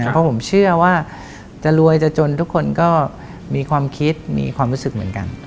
เพราะผมเชื่อว่าจะรวยจะจนทุกคนก็มีความคิดมีความรู้สึกเหมือนกัน